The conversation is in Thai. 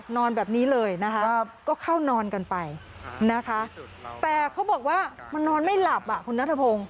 นอนแบบนี้เลยนะคะก็เข้านอนกันไปนะคะแต่เขาบอกว่ามันนอนไม่หลับอ่ะคุณนัทพงศ์